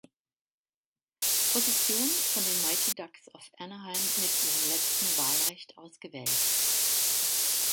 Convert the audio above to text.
Position von den Mighty Ducks of Anaheim mit ihrem letzten Wahlrecht ausgewählt.